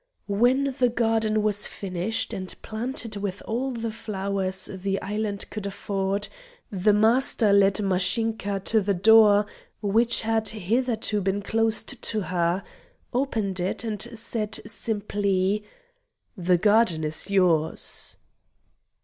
When the garden was finished and planted with all the flowers the island could afford, the Master led Mashinka to the door, which had hitherto been closed to her, opened it, and said simply: "The garden is yours!" [Illustration: "The garden is yours!"